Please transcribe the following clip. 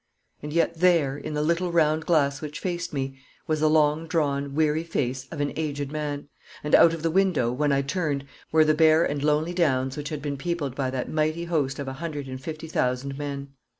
And yet there, in the little round glass which faced me, was the long drawn, weary face of an aged man, and out of the window, when I turned, were the bare and lonely downs which had been peopled by that mighty host of a hundred and fifty thousand men.